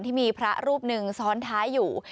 ที่มีพระรูปหนึ่งซ้อนท้ายอยู่